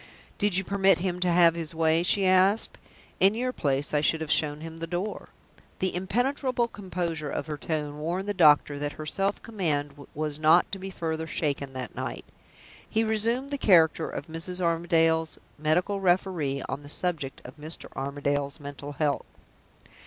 "Did you permit him to have his way?" she asked. "In your place, I should have shown him the door." The impenetrable composure of her tone warned the doctor that her self command was not to be further shaken that night. He resumed the character of Mrs. Armadale's medical referee on the subject of Mr. Armadale's mental health.